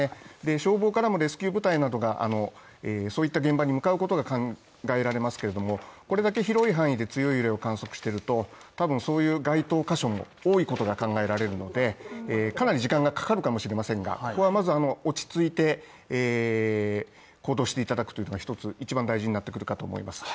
消防からもレスキュー部隊などがそういった現場に向かうことが考えられますけれどもこれだけ広い範囲で強い揺れを観測しているとそういう該当箇所も多いことが考えられるのでかなり時間がかかるかもしれませんがここはまず落ち着いて行動していただくのが一番大事になってくるかと思います。